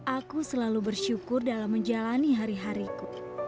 aku selalu bersyukur dalam menjalani hari hariku